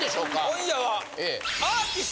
今夜は。